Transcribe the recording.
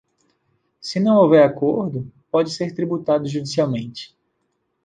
Se não houver acordo, pode ser tributado judicialmente.